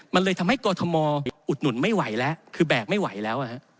มันเลยทำให้กรทมอุดหนุนไม่ไหวแล้วคือแบกไม่ไหวแล้ว